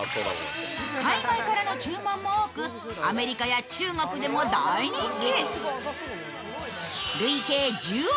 海外からの注文も多くアメリカや中国でも大人気。